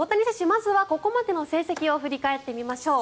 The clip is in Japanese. まずはここまでの成績を振り返ってみましょう。